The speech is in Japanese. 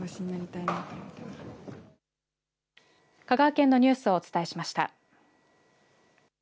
香川県のニュースをお伝えしました。